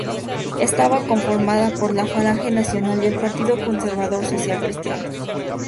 Estaba conformada por la Falange Nacional y el Partido Conservador Social Cristiano.